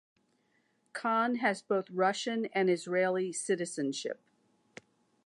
Khan has both Russian and Israeli citizenship.